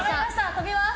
とびます！